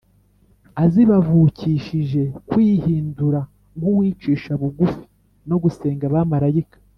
azibavukishije kwihindura nk’uwicisha bugufi no gusenga abamarayika